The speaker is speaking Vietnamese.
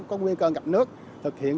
có nguy cơ gặp nước thực hiện